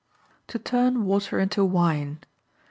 To Turn Water into Wine.